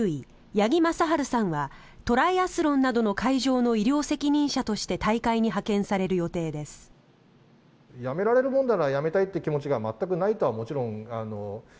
八木正晴さんはトライアスロンなどの会場の医療責任者として大会に派遣される予定です。